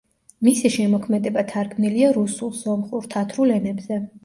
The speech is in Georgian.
მისი შემოქმედება თარგმნილია რუსულ, სომხურ, თათრულ ენებზე.